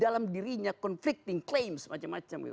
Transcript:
di dalam dirinya conflicting claims macam macam gitu